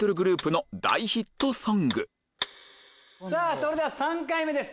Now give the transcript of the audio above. それでは３回目です